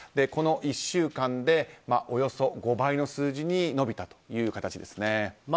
この１週間でおよそ５倍の数字に伸びた形ですね。